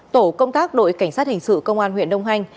tổ công tác đội cảnh sát hình sự công an huyện đông anh